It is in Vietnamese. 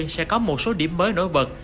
sẽ có một số điểm mới nổi bật